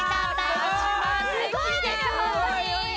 すごいでしょ！